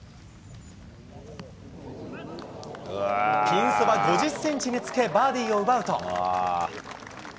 ピンそば５０センチにつけバーディーを奪うと。